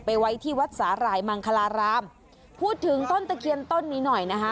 ไว้ที่วัดสาหร่ายมังคลารามพูดถึงต้นตะเคียนต้นนี้หน่อยนะคะ